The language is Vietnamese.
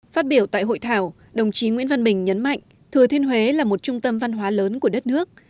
phát biểu tại hội thảo đồng chí nguyễn văn bình nhấn mạnh thừa thiên huế là một trung tâm văn hóa lớn của đất nước